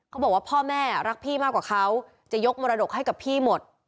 เขาบอกว่าพ่อแม่รักพี่มากกว่าเขาจะยกมรดกให้กับพี่หมด